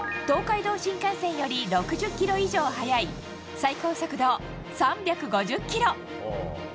東海道新幹線より６０キロ以上速い最高速度３５０キロ。